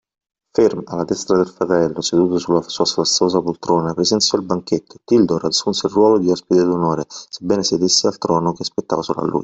Ferm, alla destra del fratello, seduto sulla sua sfarzosa poltrona, presenziò il banchetto, e Tildor assunse il ruolo di ospite d’onore, sebbene sedesse al trono che spettava solo a lui.